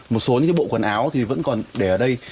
một số những cái bộ quần áo thì vẫn còn để ở đây